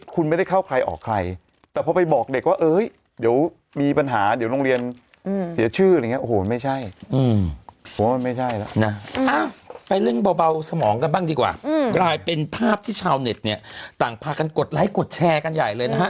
กลายเป็นภาพที่ชาวเน็ตเนี่ยต่างพากันกดไลค์กดแชร์กันใหญ่เลยนะฮะ